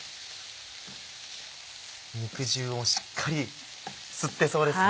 肉汁をしっかり吸ってそうですね。